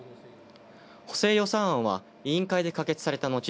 補正予算案は委員会で可決されたのち